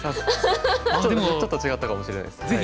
ちょっと違ったかもしれないです。